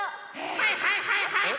はいはいはいはい！